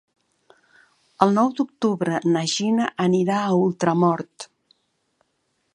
El nou d'octubre na Gina anirà a Ultramort.